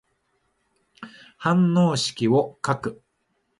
反応式を書く。